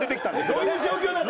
どういう状況なの？